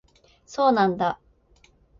そうなんだ